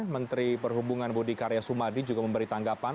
menteri perhubungan budi karya sumadi juga memberi tanggapan